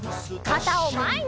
かたをまえに！